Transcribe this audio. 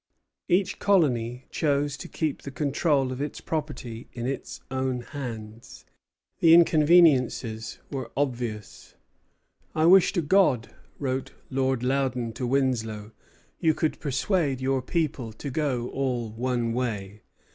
Each colony chose to keep the control of its property in its own hands. The inconveniences were obvious: "I wish to God," wrote Lord Loudon to Winslow, "you could persuade your people to go all one way."